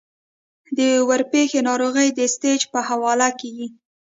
د ورپېښې ناروغۍ د سټېج پۀ حواله کيږي -